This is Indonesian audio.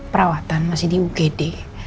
perawatan masih di ugd